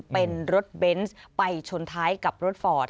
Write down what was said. เป็นรถเบนส์ไปชนท้ายกับรถฟอร์ด